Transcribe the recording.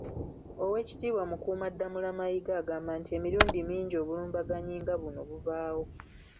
Oweekitiibwa Mukuumaddamula Mayiga agamba nti emirundi mingi obulumbaganyi nga buno bubaawo .